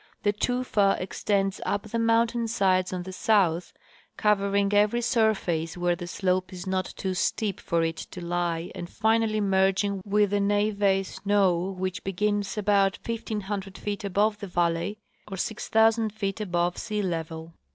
The tufa extends up the mountain sides on the south, covering every surface where the slope is not too steep for it to lie and finally merging with the neve snow, which begins about 1,500 feet above the valley or 6,000 feet above sea level.